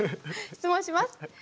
質問します。